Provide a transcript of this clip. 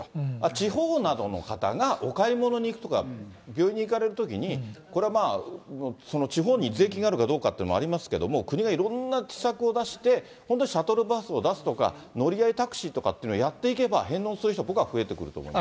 地方などの方がお買い物に行くとか、病院に行かれるときに、これ、地方に税金があるかどうかっていうのもありますけれども、国がいろんな施策を出して、本当、シャトルバスを出すとか、乗り合いタクシーとかっていうのをやっていけば、返納する人、僕は増えてくると思います。